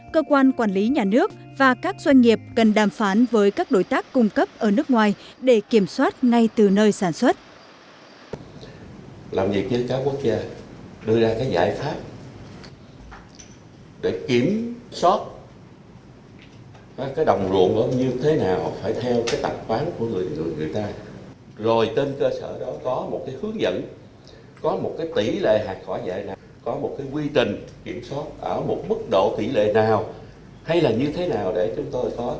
cơ quan quản lý nhà nước và các doanh nghiệp cần đàm phán với các đối tác cung cấp ở nước ngoài để kiểm soát ngay từ nơi sản xuất